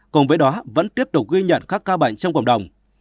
cùng với đó vẫn tiếp tục ghi nhận các ca bệnh trong cộng đồng